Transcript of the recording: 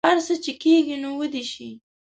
هر څه چې کیږي نو ودې شي